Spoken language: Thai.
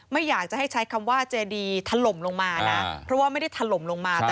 ไม่อยากจะให้ใช้คำว่าเจดีถล่มลงมานะเพราะว่าไม่ได้ถล่มลงมา